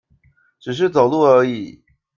只是走路而已